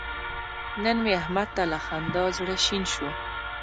نن مې احمد ته له خندا زړه شین شو.